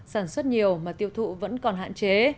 sản xuất nhiều mà tiêu thụ vẫn còn hạn chế